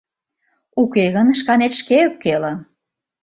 Уке гын шканет шке ӧпкеле.